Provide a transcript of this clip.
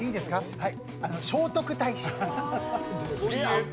はい。